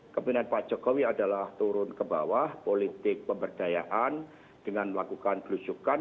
kepindahan pak jokowi adalah turun ke bawah politik pemberdayaan dengan melakukan belusukan